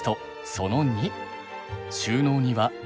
その２。